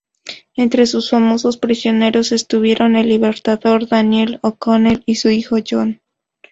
Entre sus famosos prisioneros estuvieron el Libertador Daniel O'Connell y su hijo John.